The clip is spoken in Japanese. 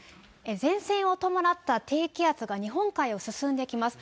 前線を伴った低気圧が日本海を進んできます。